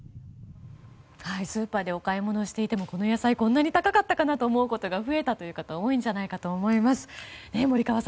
スーパーでお買い物していてもこの野菜、こんなに高かったかなと思う方が多いんじゃないかと思います。